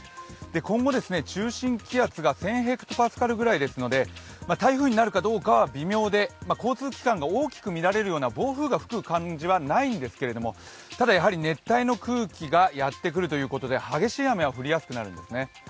今後、中心気圧が１０００ｈＰａぐらいなので台風になるかどうかは微妙で、交通機関が大きく乱れるような暴風雨が吹く感じはないんですけれどもただ熱帯の空気がやってくるということで激しい雨は降りやすくなるんですね。